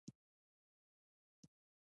د هضم د ستونزې لپاره باید څه وکړم؟